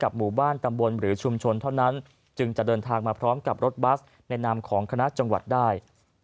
หมู่บ้านตำบลหรือชุมชนเท่านั้นจึงจะเดินทางมาพร้อมกับรถบัสในนามของคณะจังหวัดได้